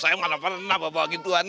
saya mana pernah bawa bawa gituan